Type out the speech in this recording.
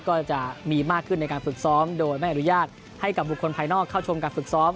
ก็จะมีมากขึ้นในการฝึกซ้อมโดยไม่อนุญาตให้กับบุคคลภายนอกเข้าชมการฝึกซ้อม